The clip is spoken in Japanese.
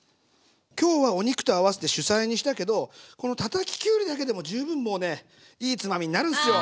今日はお肉と合わせて主菜にしたけどこのたたききゅうりだけでも十分もうねいいつまみになるんすよ！